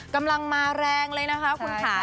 กำลังมาแรงเลยนะคะคุณค่ะ